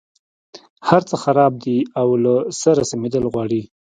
هرڅه خراب دي او له سره سمېدل غواړي.